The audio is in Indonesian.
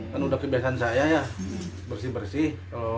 karena udah kebiasaan saya ya bersih bersih